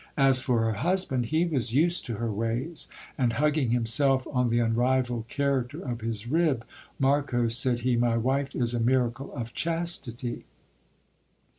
As for her husband, he was used to her ways ; and, hugging himself on the unrivalled character of his rib, Marcos, said he, my wife is a miracle of chastity.